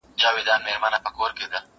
زه اوس د ښوونځي کتابونه مطالعه کوم!؟